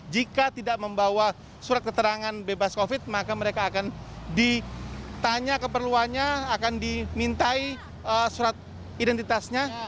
jika tidak membawa surat keterangan bebas covid maka mereka akan ditanya keperluannya akan dimintai surat identitasnya